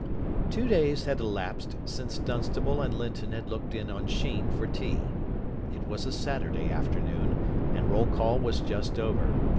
Two days had elapsed since Dunstable and Linton had looked in on Sheen for tea. It was a Saturday afternoon, and roll call was just over.